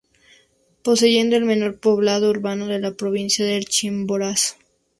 Poseyendo el menor poblado urbano de la provincia del Chimborazo.